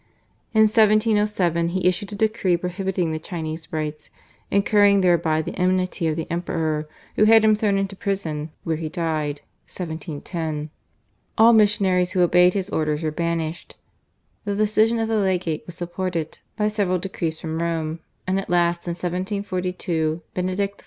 In 1707 he issued a decree prohibiting the Chinese Rites, incurring thereby the enmity of the Emperor, who had him thrown into prison where he died (1710). All missionaries who obeyed his orders were banished. The decision of the legate was supported by several decrees from Rome, and at last in 1742 Benedict XIV.